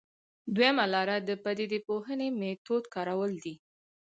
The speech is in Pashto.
دویمه لاره د پدیده پوهنې میتود کارول دي.